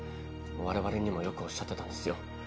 我々にもよくおっしゃってたんですよ。